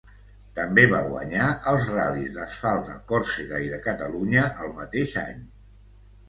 També va guanyar els ral·lis d'asfalt de Còrsega i de Catalunya el mateix any.